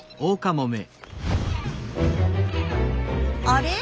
あれ？